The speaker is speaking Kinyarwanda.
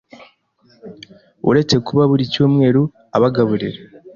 Uretse kuba buri Cyumweru abagaburira